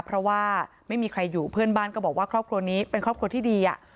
เพราะว่าไม่มีใครอยู่เพื่อนบ้านก็บอกว่าครอบครัวนี้เป็นครอบครัวที่ดีอ่ะ